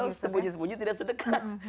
oh sembunyi sembunyi tidak sedekah